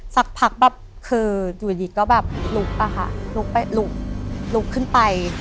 สักพักแบบคืออยู่ดีก็แบบลุกอะค่ะลุกลุกขึ้นไป